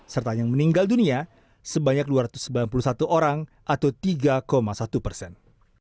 serta yang meninggal dunia sebanyak dua ratus sembilan puluh satu orang atau tiga satu persen